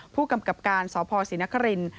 ผู้กำกับการสพศรีนคริน